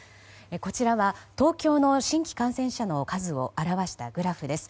こちらは東京の新規感染者の数を表したグラフです。